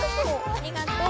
ありがとう。